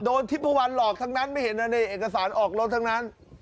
ทิเปอร์วันหลอกทั้งนั้นไม่เห็นเอกสารออกรถทั้งนั้น